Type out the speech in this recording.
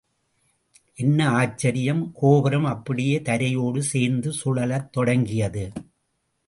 என்ன ஆச்சரியம், கோபுரம் அப்படியே தரையோடு சேர்ந்து சுழலத் தொடங்கியது.